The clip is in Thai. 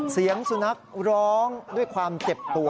เสียงสุนัขร้องด้วยความเจ็บตัว